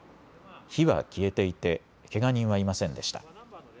火は消えていてけが人はいませんでした。